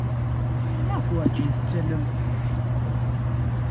Maɣef werjin tettallem?